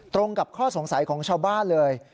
ตรงกับข้อสงสัยของชาวบ้านเลย